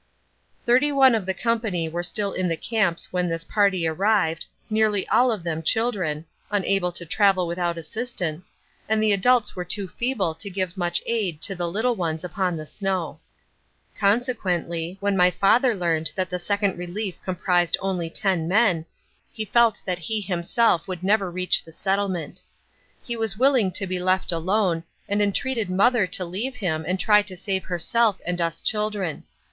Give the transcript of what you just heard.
Thirty one of the company were still in the camps when this party arrived, nearly all of them children, unable to travel without assistance, and the adults were too feeble to give much aid to the little ones upon the snow. Consequently, when my father learned that the Second Relief comprised only ten men, he felt that he himself would never reach the settlement. He was willing to be left alone, and entreated mother to leave him and try to save herself and us children.